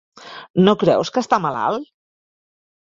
No creus que està malalt?